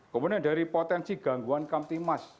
kemudian dari potensi gangguan kamtimas